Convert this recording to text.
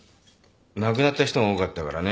亡くなった人が多かったからね。